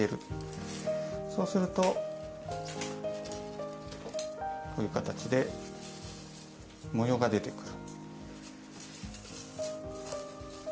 そうするとこういう形で模様が出てくる。